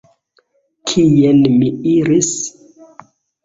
Kien mi iris?